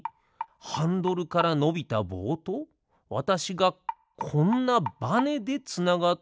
ハンドルからのびたぼうとわたしがこんなバネでつながっているだけ？